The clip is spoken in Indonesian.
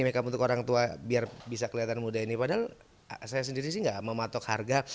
makeup untuk orang tua biar bisa kelihatan muda ini padahal saya sendiri sih enggak mematok harga